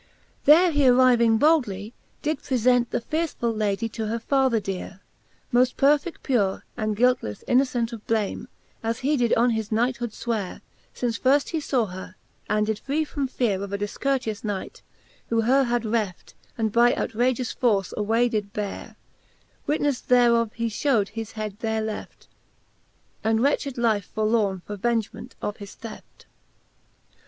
Z45 XVIII. There he arriving boldly did prefent The fearefiill Lady to her father deare, Moft perfect: pure, and guiltlefle innocent Of blame, as he did on his Knighthood fweare, Since firft he faw her, and did free from feare Of a difcourteous Knight, who her had reft, And by outragious force away did beare: Witnefle thereof he fliew'd his head there left, And wretched life forlorne for vengement of his theft.